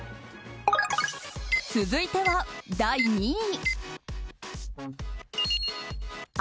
続いては、第２位。